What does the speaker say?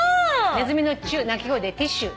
ネズミの鳴き声でティッシュ。